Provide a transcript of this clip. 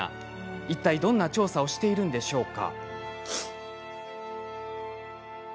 いったい、どんな調査をしているんでしょうか。